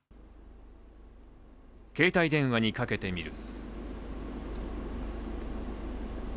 携帯電話にかけてみる。